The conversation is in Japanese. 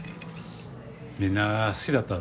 みんな好きだったろ？